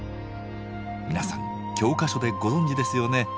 皆さん教科書でご存じですよね。